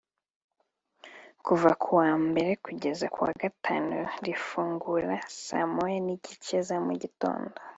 Kuva kuwa Mbere kugeza kuwa Gatanu rifungura saa moya n’igice za mu gitondo